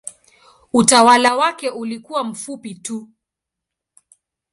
Utawala wake ulikuwa mfupi tu.